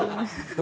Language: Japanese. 何？